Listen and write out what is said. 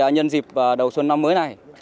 nhân dịp đầu xuân năm mới này